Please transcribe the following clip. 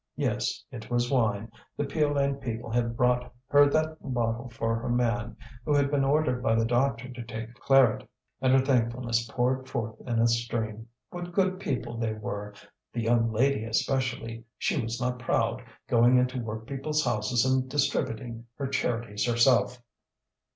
Yes, it was wine; the Piolaine people had brought her that bottle for her man, who had been ordered by the doctor to take claret. And her thankfulness poured forth in a stream. What good people they were! The young lady especially; she was not proud, going into workpeople's houses and distributing her charities herself.